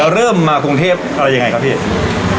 เริ่มมากรุงเทพอะไรยังไงครับพี่